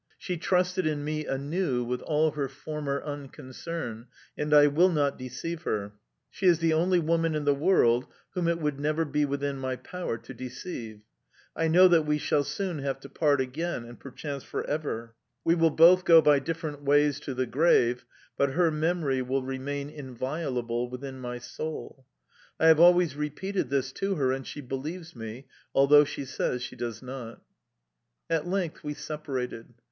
She trusted in me anew with all her former unconcern, and I will not deceive her: she is the only woman in the world whom it would never be within my power to deceive. I know that we shall soon have to part again, and perchance for ever. We will both go by different ways to the grave, but her memory will remain inviolable within my soul. I have always repeated this to her, and she believes me, although she says she does not. At length we separated.